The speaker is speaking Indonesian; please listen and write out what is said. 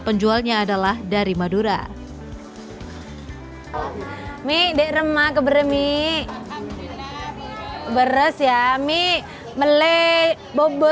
penjualnya adalah dari madura hai mi dek remak keberani beres ya mi mele bobor